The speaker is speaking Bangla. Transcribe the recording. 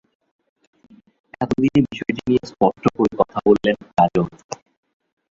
এত দিনে বিষয়টি নিয়ে স্পষ্ট করে কথা বললেন কাজল।